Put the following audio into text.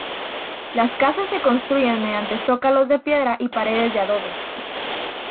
Las casas se construyen mediante zócalos de piedra y paredes de adobe.